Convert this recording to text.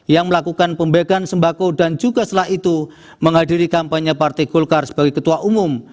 yang melakukan pembegaan sembako dan juga setelah itu menghadiri kampanye partai golkar sebagai ketua umum